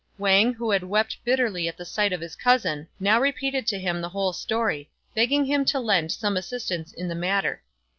Wang, who had wept bitterly at the sight of his cousin, now repeated to him the whole story, begging him to lend some assistance in the matter.